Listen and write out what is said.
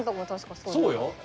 そうよ。